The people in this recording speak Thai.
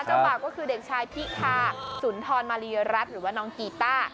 เจ้าบ่าวก็คือเด็กชายพิธาสุนทรมารีรัฐหรือว่าน้องกีต้า